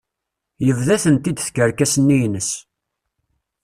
Yebda-tent-id tkerkas-nni ines.